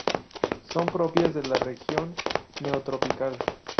Son propias de la Región Neotropical.